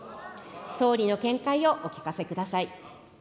総理の見解をお聞かせください。